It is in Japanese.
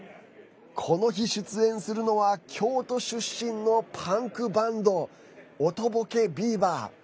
この日、出演するのは京都出身のパンクバンドおとぼけビバ。